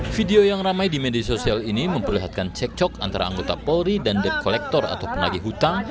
video yang ramai di media sosial ini memperlihatkan cek cok antara anggota polri dan debt collector atau penagih hutang